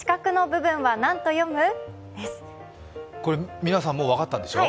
皆さんもう分かったんでしょ？